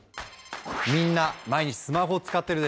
みんな毎日スマホ使ってるでしょ？